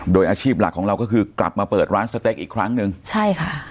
โดยอาชีพหลักของเราก็คือกลับมาเปิดร้านสเต็กอีกครั้งหนึ่งใช่ค่ะ